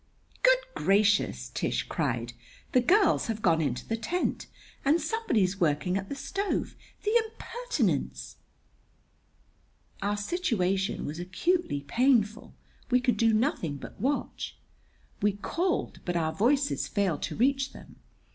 "Good gracious!" Tish cried. "The girls have gone into the tent! And somebody's working at the stove. The impertinence!" Our situation was acutely painful. We could do nothing but watch. We called, but our voices failed to reach them.